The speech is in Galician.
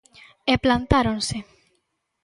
E plantáronse.